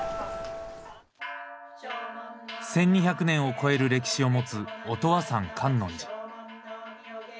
１，２００年を超える歴史を持つ音羽山観音寺。